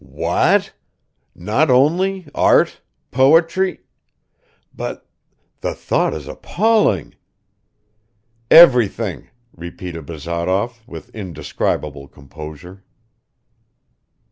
"What? Not only art, poetry ... but ... the thought is appalling ..." "Everything," repeated Bazarov with indescribable composure.